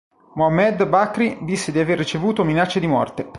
Mohammad Bakri disse di avere ricevuto minacce di morte.